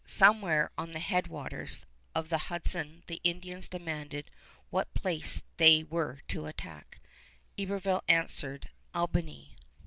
Somewhere on the headwaters of the Hudson the Indians demanded what place they were to attack. Iberville answered, "Albany."